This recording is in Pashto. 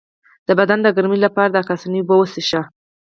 د بدن د ګرمۍ لپاره د کاسني اوبه وڅښئ